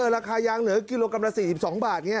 เออราคายางเหนือกิโลกรัมละ๔๒บาทอย่างนี้